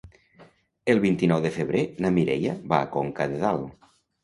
El vint-i-nou de febrer na Mireia va a Conca de Dalt.